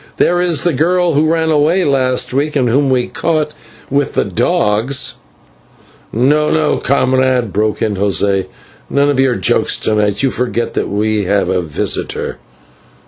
There is the girl who ran away last week, and whom we caught with the dogs " "No, no, comrade," broke in José, "none of your jokes to night, you forget that we have a visitor.